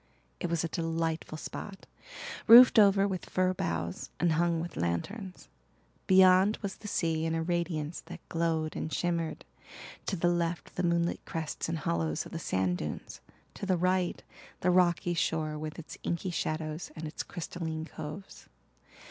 It was a delightful spot, roofed over with fir boughs and hung with lanterns. Beyond was the sea in a radiance that glowed and shimmered, to the left the moonlit crests and hollows of the sand dunes, to the right the rocky shore with its inky shadows and its crystalline coves.